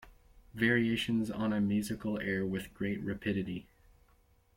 Variations on a musical air With great rapidity.